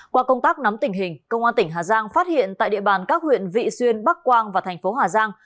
qua công tác nắm tình hình công an tỉnh hà giang phát hiện tại địa bàn các huyện vị xuyên bắc quang và thành phố hà giang